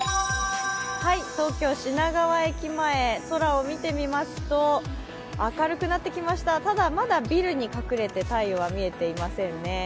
東京・品川駅前、空を見てみますと、明るくなってきました、ただまだビルに隠れて太陽は見えていませんね。